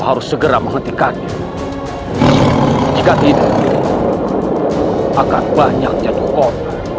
harus segera menghentikannya jika tidak akan banyak jadi korban